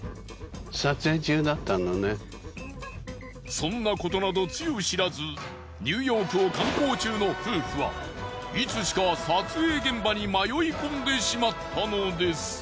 そんなことなどつゆ知らずニューヨークを観光中の夫婦はいつしか撮影現場に迷い込んでしまったのです。